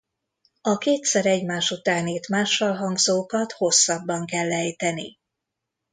A kétszer egymás után írt mássalhangzókat hosszabban kell ejteni.